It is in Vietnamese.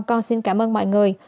con xin cảm ơn mọi người